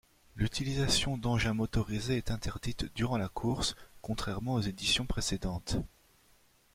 L'utilisation d'engin motorisé est interdite durant la course, contrairement aux éditions précédentes.